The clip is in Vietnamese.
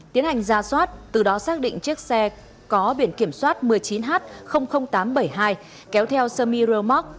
tiến hành ra soát từ đó xác định chiếc xe có biển kiểm soát một mươi chín h tám trăm bảy mươi hai kéo theo samiro max